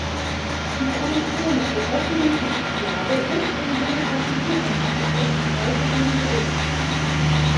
Die Kommission wird auch die Menschenrechtslage und den Demokratisierungsprozess weiterhin beobachten.